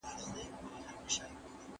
احمد شاه دراني څنګه خپل حکومت پیاوړی کړ؟